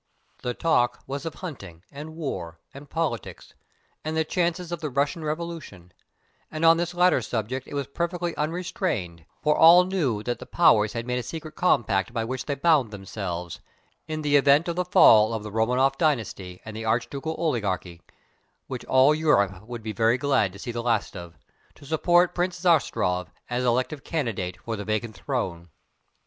The talk was of hunting and war and politics and the chances of the Russian revolution, and on this latter subject it was perfectly unrestrained, for all knew that the Powers had made a secret compact by which they bound themselves, in the event of the fall of the Romanoff Dynasty and the Arch Ducal oligarchy which all Europe would be very glad to see the last of to support Prince Zastrow as elective candidate for the vacant throne.